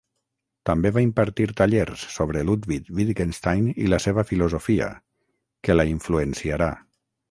També va impartir tallers sobre Ludwig Wittgenstein i la seva filosofia, que la influenciarà.